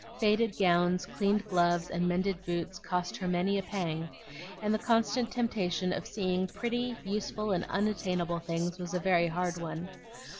Faded gowns, cleaned gloves, and mended boots cost her many a pang, and the constant temptation of seeing pretty, useful, and unattainable things was a very hard one.